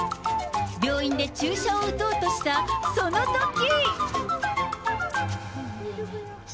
病院で注射を打とうとしたそのとき。